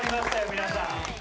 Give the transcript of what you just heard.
皆さん。